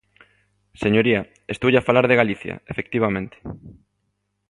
Señoría, estoulle a falar de Galicia, efectivamente.